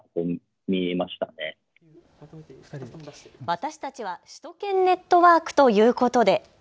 私たちは首都圏ネットワークということで。